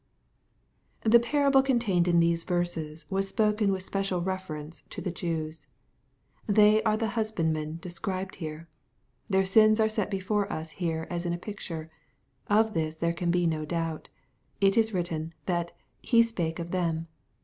The parable contained in these verses was spoken with special reference to the Jews. They are the husband men here described. ; Their sins are set before us here as in a picture. Of this there can be no doubt. It ifl written, that " He spake of them.''